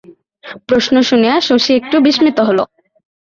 প্রশ্ন শুনিয়া শশী একটু বিস্মিত হইল।